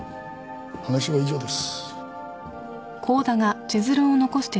話は以上です。